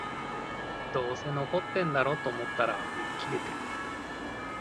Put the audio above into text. どうせ残ってんだろと思ったら売り切れてる